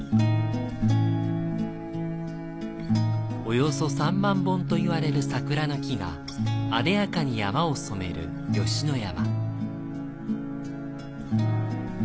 約３万本といわれる桜の木があでやかに山を染める吉野山。